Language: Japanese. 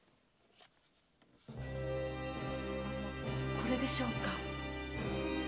これでしょうか？